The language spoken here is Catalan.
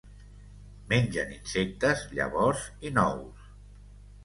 Mengen insectes, llavors i nous.